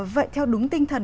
vậy theo đúng tinh thần